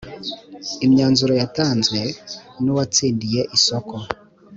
imyanzuro yatanzwe n’uwatsindiye isoko